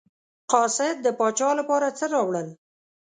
قاصد د پاچا لپاره څه راوړل.